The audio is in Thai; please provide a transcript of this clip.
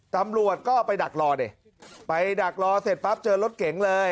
ตำรวจก็ไปดักรอดิไปดักรอเสร็จปั๊บเจอรถเก๋งเลย